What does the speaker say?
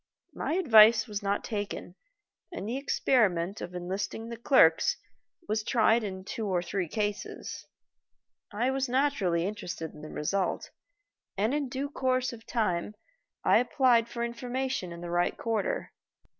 My advice was not taken and the experiment of enlisting the clerks was tried in two or three cases. I was naturally interested in the result, and in due course of time I applied for information in the right quarter.